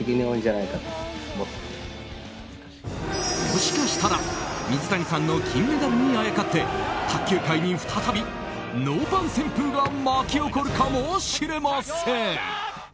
もしかしたら水谷さんの金メダルにあやかって卓球界に再びノーパン旋風が巻き起こるかもしれません。